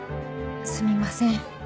すみません。